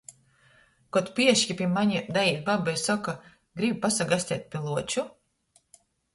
Kod pieški pi mane daīt baba i soka: "Gribi pasagasteit pi Luoču?"